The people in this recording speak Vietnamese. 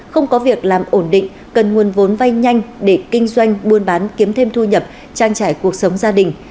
không có việc làm ổn định cần nguồn vốn vay nhanh để kinh doanh buôn bán kiếm thêm thu nhập trang trải cuộc sống gia đình